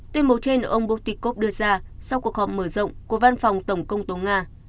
tuyên bố trên ông potinov đưa ra sau cuộc họp mở rộng của văn phòng tổng công tố nga